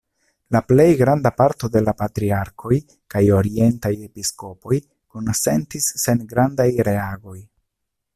La plej granda parto de la patriarkoj kaj orientaj episkopoj konsentis sen grandaj reagoj.